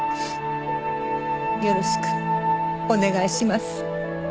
よろしくお願いします。